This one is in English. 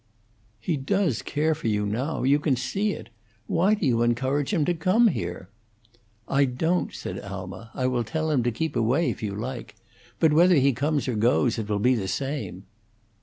"He does care for you, now. You can see it. Why do you encourage him to come here?" "I don't," said Alma. "I will tell him to keep away if you like. But whether he comes or goes, it will be the same."